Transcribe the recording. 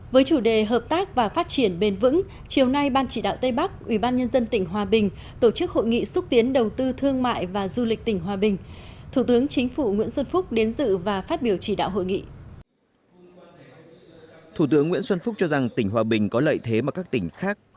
với chủ đề hợp tác và phát triển bền vững chiều nay ban chỉ đạo tây bắc ubnd tỉnh hòa bình tổ chức hội nghị xúc tiến đầu tư thương mại và du lịch tỉnh hòa bình